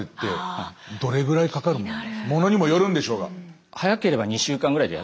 ものにもよるんでしょうが。